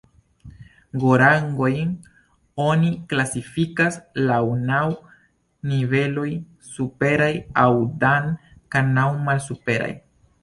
Go-rangojn oni klasifikas laŭ naŭ niveloj superaj, aŭ "Dan", kaj naŭ malsuperaj.